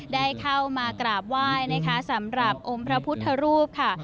ได้เข้ามากราบไหว้นะคะสำหรับองค์พระพุทธรูปค่ะ